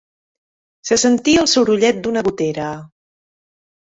Se sentia el sorollet d'una gotera.